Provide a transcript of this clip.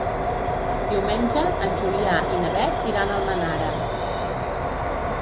Diumenge en Julià i na Beth iran a Almenara.